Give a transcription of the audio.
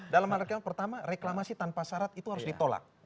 dalam artian pertama reklamasi tanpa syarat itu harus ditolak